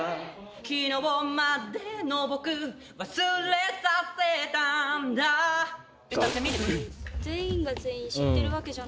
昨日までの僕忘れさせたんだ全員が全員知ってるわけじゃないから。